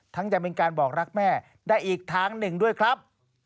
จะเป็นการบอกรักแม่ได้อีกทางหนึ่งด้วยครับ